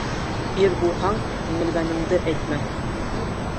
Ир булһаң, еңелгәнеңде әйтмә.